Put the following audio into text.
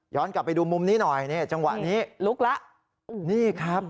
กลับไปดูมุมนี้หน่อยนี่จังหวะนี้ลุกแล้วนี่ครับ